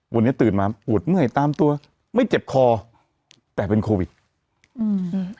วันนี้ตื่นมาปวดเมื่อยตามตัวไม่เจ็บคอแต่เป็นโควิดอืม